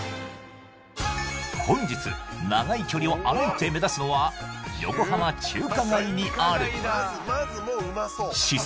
本日長い距離を歩いて目指すのは横浜中華街にある四川